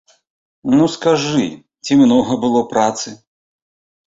Ну, скажы, ці многа было працы?